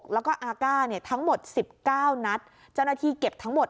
แล้วก็อาก้าเนี่ยทั้งหมด๑๙นัดเจ้าหน้าที่เก็บทั้งหมด